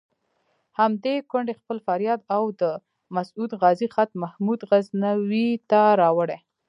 همدې کونډې خپل فریاد او د مسعود غازي خط محمود غزنوي ته راوړی.